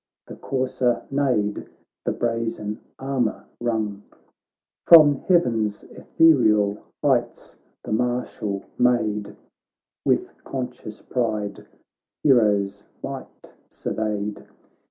The courser neighed, the brazen armour rung; From heaven's ethereal heights the martial maid With conscious pride the hero's might surveyed.